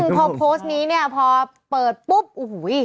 พอโพสต์นี้เนี่ยพอเปิดปุ๊บโอ้โห